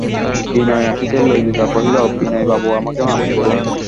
বিনয় আসিতেই ললিতা কহিল, বিনয়বাবু, আমাকে মাপ করুন।